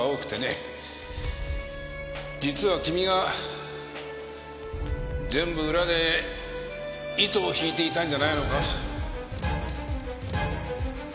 実は君が全部裏で糸を引いていたんじゃないのか？